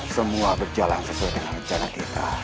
semua berjalan sesuai dengan rencana kita